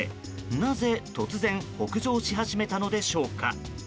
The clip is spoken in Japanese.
なぜ突然北上し始めたのでしょうか。